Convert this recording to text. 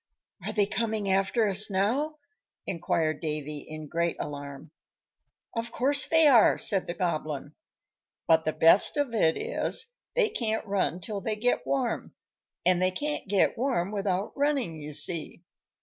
"Are they coming after us now?" inquired Davy, in great alarm. "Of course they are," said the Goblin. "But the best of it is, they can't run till they get warm, and they can't get warm without running, you see.